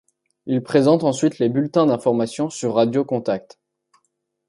Il présente ensuite les bulletins d'information sur Radio Contact.